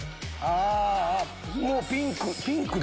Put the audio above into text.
あもうピンク！